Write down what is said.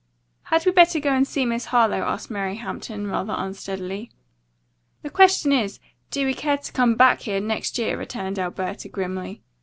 "Had we better go and see Miss Harlowe?" asked Mary Hampton, rather unsteadily. "The question is, do we care to come back here next year?" returned Alberta grimly.